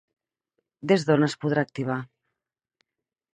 Des d'on es podrà activar?